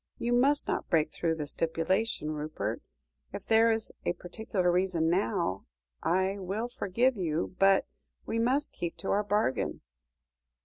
You must not break through the stipulation, Rupert. If there is a particular reason now I will forgive you but we must keep to our bargain."